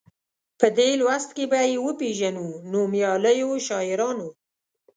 په دې لوست کې به یې وپيژنو نومیالیو شاعرانو.